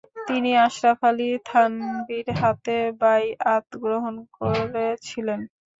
তিনি আশরাফ আলী থানভীর হাতে বাইআত গ্রহণ করেছিলেন।